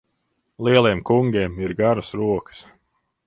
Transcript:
Lieliem kungiem ir garas rokas.